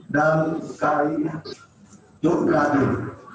dan kri jogradil